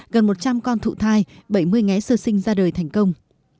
gần một trăm linh con thụ thai bảy mươi ngé sơ sinh ra đời thành công